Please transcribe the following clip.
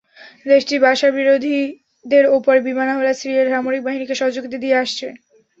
দেশটি বাশারবিরোধীদের ওপর বিমান হামলায় সিরিয়ার সামরিক বাহিনীকে সহযোগিতা দিয়ে আসছে।